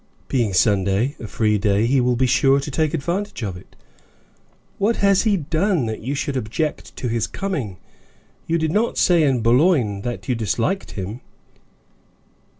"Being Sunday, a free day, he will be sure to take advantage of it. What has he done that you should object to his coming? You did not say in Boulogne that you disliked him."